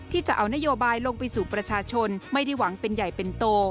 จะเอานโยบายลงไปสู่ประชาชนไม่ได้หวังเป็นใหญ่เป็นโต